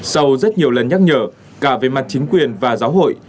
sau rất nhiều lần nhắc nhở cả về mặt chính quyền và giáo hội